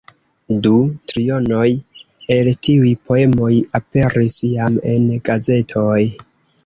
Du trionoj el tiuj poemoj aperis jam en gazetoj.